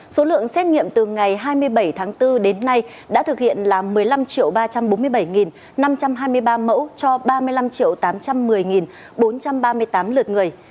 số lượng xét nghiệm từ ngày hai mươi bảy tháng bốn đến nay đã thực hiện là một mươi năm ba trăm bốn mươi bảy năm trăm hai mươi ba mẫu cho ba mươi năm tám trăm một mươi bốn trăm ba mươi tám lượt người